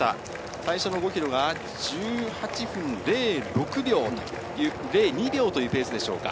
最初の５キロが１８分０２秒というペースでしょうか。